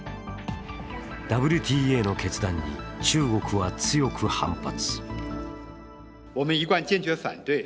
ＷＴＡの決断に中国は強く反発。